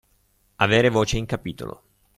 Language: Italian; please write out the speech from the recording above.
Avere voce in capitolo.